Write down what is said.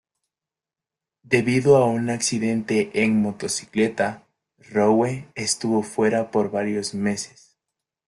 Debido a un accidente en motocicleta, Rowe estuvo fuera por varios meses.